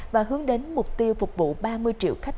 và hướng đến mục tiêu phục vụ ba mươi triệu khách